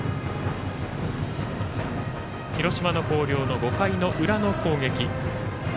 広島の広陵高校の５回の裏の攻撃。